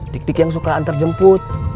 dik dik yang suka hantar jemput